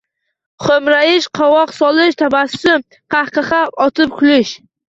Xo‘mrayish, qovoq solish – tabassum – qahqaha otib kulish